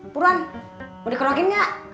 puruan mau dikerokin gak